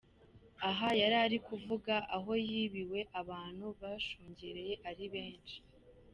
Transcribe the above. Aha yari ari kuva aho yibiwe, abantu bashungereye ari benshi.